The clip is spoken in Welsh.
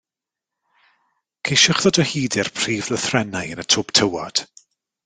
Ceisiwch ddod o hyd i'r prif lythrennau yn y twb tywod.